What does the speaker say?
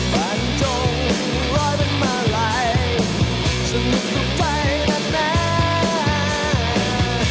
ฟันจงรอยเป็นมาลัยฉันยุ่งสุขใจนั้นแน่